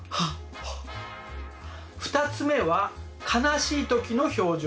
２つ目は悲しい時の表情。